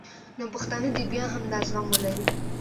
نو پښتانه دې هم بیا دا زغم ولري